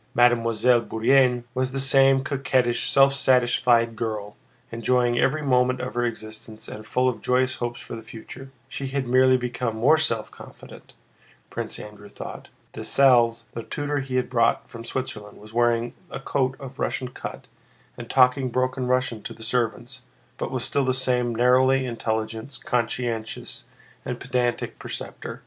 Mademoiselle Bourienne was the same coquettish, self satisfied girl, enjoying every moment of her existence and full of joyous hopes for the future. She had merely become more self confident, Prince Andrew thought. Dessalles, the tutor he had brought from Switzerland, was wearing a coat of Russian cut and talking broken Russian to the servants, but was still the same narrowly intelligent, conscientious, and pedantic preceptor.